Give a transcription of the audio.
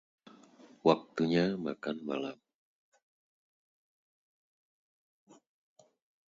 Waktunya makan malam.